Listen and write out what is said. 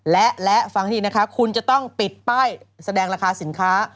และฟังที่คุณจะต้องปิดป้ายแสดงราคาสินค้า